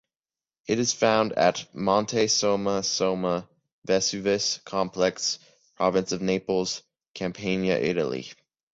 It is found at Monte Somma, Somma-Vesuvius Complex, Province of Naples, Campania, Italy.